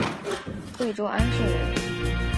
贵州安顺人。